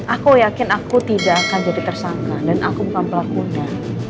aku yakin aku tidak akan jadi tersangka dan aku bukan pelakunya